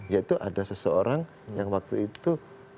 yaitu ada seseorang yang waktu itu